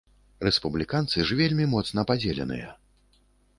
Рэспубліканцы ж вельмі моцна падзеленыя.